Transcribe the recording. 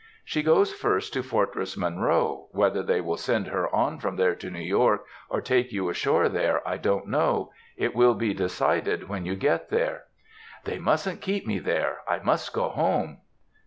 "She goes first to Fortress Monroe; whether they will send her on from there to New York, or take you ashore there, I don't know. It will be decided when you get there." "They mustn't keep me there. I must go home."